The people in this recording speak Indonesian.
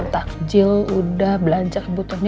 takjil udah belanja yang butuhnya